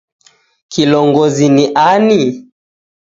Kilongozi ni ani